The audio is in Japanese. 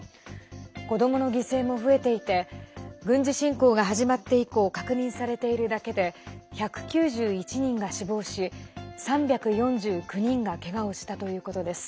子どもの犠牲も増えていて軍事侵攻が始まって以降確認されているだけで１９１人が死亡し３４９人がけがをしたということです。